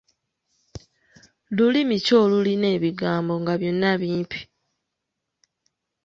Lulimi ki olulina ebigambo nga byonna bimpi?